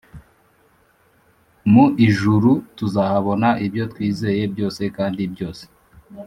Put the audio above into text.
Mui juru tuzahabona ibyo twizeye byose kandi byose